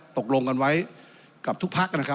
ตกลงกันไว้กับทุกพักนะครับ